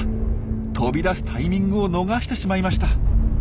飛び出すタイミングを逃してしまいました。